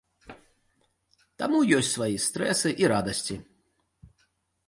Таму ёсць свае стрэсы, і радасці.